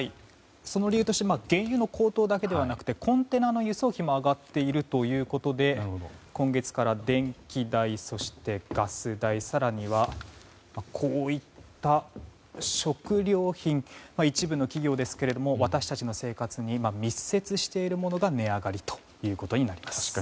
その理由としては原油の高騰だけではなくてコンテナの輸送費も上がっているということで今月から電気代、ガス代更にはこういった食料品一部の企業ですけれども私たちの生活に今、密接しているものが値上がりとなります。